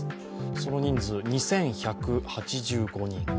その人数２１８５人。